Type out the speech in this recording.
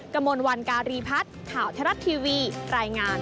กระมวลวันการีพัฒน์ข่าวทรัฐทีวีรายงาน